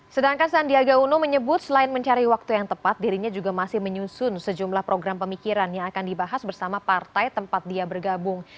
sedangkan sandiaga uno menyebut selain mencari waktu yang tepat dirinya juga masih menyusun sejumlah program pemikiran yang akan dibahas bersama partai tempat dia bergabung